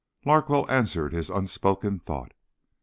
Larkwell answered his unspoken thought.